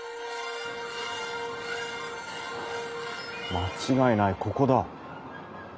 間違いないここだ。